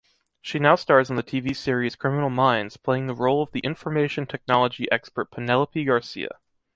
She now stars in the tv series “Criminal Minds” playing the role of the information technology expert Penelope Garcia.